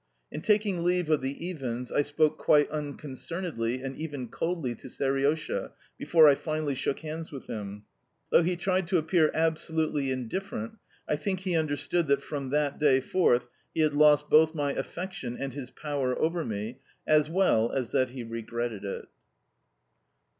In taking leave of the Iwins, I spoke quite unconcernedly, and even coldly, to Seriosha before I finally shook hands with him. Though he tried to appear absolutely indifferent, I think that he understood that from that day forth he had lost both my affection and his power over me, as well as that he regretted it.